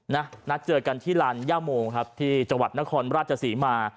นัดเจอกันที่ลานย่าโมครับที่จังหวัดนครราชศรีมา